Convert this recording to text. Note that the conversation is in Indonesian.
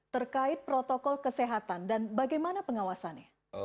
terkait protokol kesehatan dan bagaimana pengawasannya